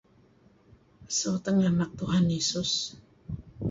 [unintelligible] lemek Tuhan Yesus...